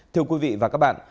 thưa quý vị và các bạn